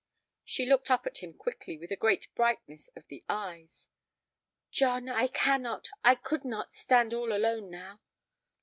She looked up at him quickly with a great brightness of the eyes. "John, I cannot, I could not, stand all alone now."